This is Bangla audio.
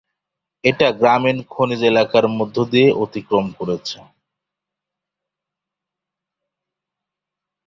এটা গ্রামীণ খনির এলাকার মধ্যে দিয়ে অতিক্রম করেছে।